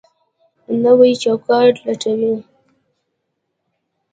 نوی چوکاټ لټوي.